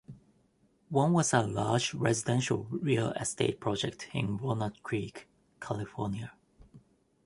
One was a large residential real estate project in Walnut Creek, California.